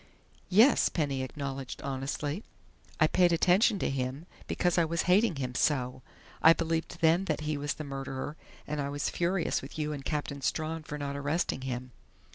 "Yes," Penny acknowledged honestly. "I paid attention to him, because I was hating him so. I believed then that he was the murderer, and I was furious with you and Captain Strawn for not arresting him....